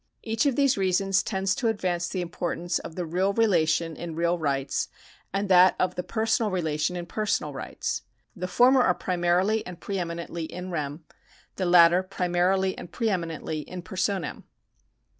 Each of these reasons tends to advance the importance of the real relation in real rights, and that of the personal relation in personal rights. The former are primarily and pre eminently in rem ; the latter primarily and pre eminently in personam.